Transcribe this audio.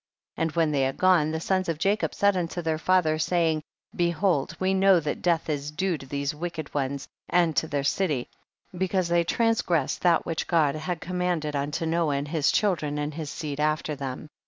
34. And when they had gone, the sons of Jacob said unto their father, saying, behold, we know that death is due to these wicked ones and to their city, because they transgressed that which God had commanded un to Noah and his children and his seed after them.